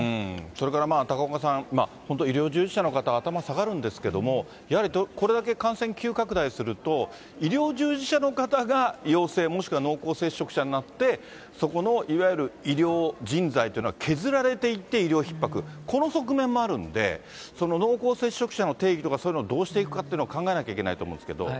それから、高岡さん、本当、医療従事者の方、頭下がるんですけれども、やはりこれだけ感染急拡大すると、医療従事者の方が陽性、もしくは濃厚接触者になって、そこのいわゆる医療人材というのが削られていって、医療ひっ迫、この側面もあるんで、濃厚接触者の定義とか、そういうのどうしていくかっていうのを考えなきゃいけないと思うんですけど。